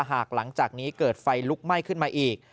หลังจากนี้เกิดไฟลุกไหม้ขึ้นมาอีก